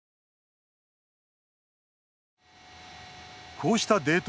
こうしたデート